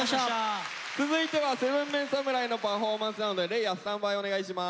続いては７ＭＥＮ侍のパフォーマンスなので嶺亜スタンバイお願いします。